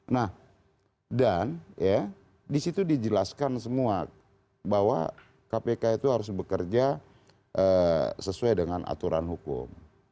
nah dan ya disitu dijelaskan semua bahwa kpk itu harus bekerja sesuai dengan aturan hukum